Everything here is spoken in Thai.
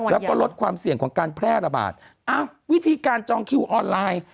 แล้วก็ลดความเสี่ยงของการแพร่ระบาดอ้าววิธีการจองคิวออนไลน์